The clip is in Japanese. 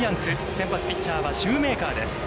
先発ピッチャーはシューメーカーです。